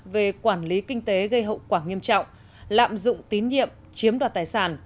về quản lý kinh tế gây hậu quả nghiêm trọng lạm dụng tín nhiệm chiếm đoạt tài sản